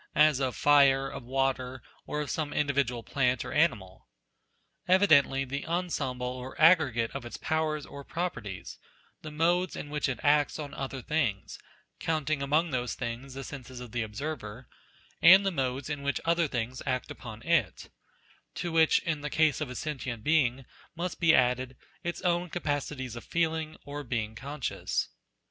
as of fire, of water, or of some individual plant or animal ? Evidently the ensemble or aggregate of its powers or properties : the modes in which it acts on other things (counting among those things the senses of the observer) and the modes in O ' which other things act upon it ; to which, in the case of a sentient being, must be added, its own capacities of feeling, or being conscious.